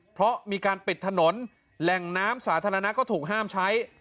เพราะมีการปิดถนนแหล่งน้ำสาธารณะก็ถูกห้ามใช้